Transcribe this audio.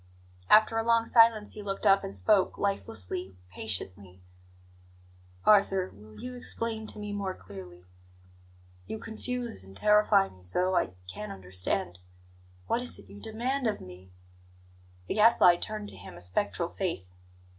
After a long silence he looked up and spoke, lifelessly, patiently: "Arthur, will you explain to me more clearly? You confuse and terrify me so, I can't understand. What is it you demand of me?" The Gadfly turned to him a spectral face.